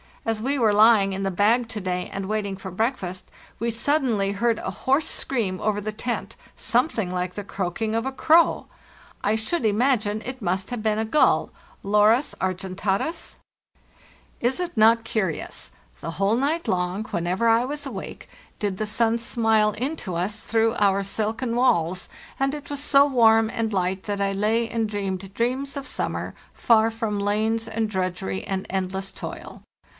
As we were lying in the bag to day and waiting for breakfast we suddenly heard a hoarse scream over the tent—something like the croaking of a crow. | should imagine it must have been a gull (Larus argen tatus 2). "Is it not curious? The whole night long, whenever I was awake, did the sun smile in to us through our silken walls, and it was so warm and light that I lay and dreamed dreams of summer, far from lanes and drudgery and endless toil.